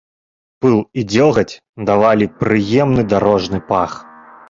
Пыл і дзёгаць давалі прыемны дарожны пах.